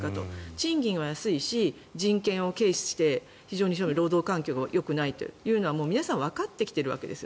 賃金は安いし人権を軽視して労働環境がよくないというのはもう皆さんわかって来ているわけです。